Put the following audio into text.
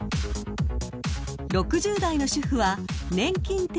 ［６０代の主婦は］